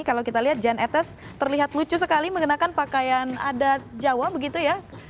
kalau kita lihat jan etes terlihat lucu sekali mengenakan pakaian adat jawa begitu ya